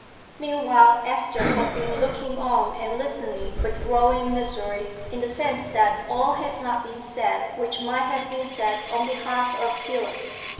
Meanwhile Esther had been looking on and listening with growing misery, in the sense that all had not been said which might have been said on behalf of Felix.